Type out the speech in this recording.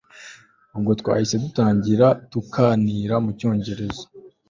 Ubwo twahise dutangira tukanira mucyonhereza